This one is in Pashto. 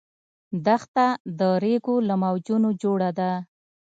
دښته د ریګو له موجونو جوړه ده.